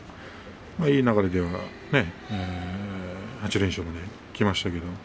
いい流れで８連勝まできましたね。